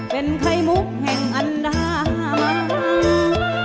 เป็นไข่มุกแห่งอันดามัน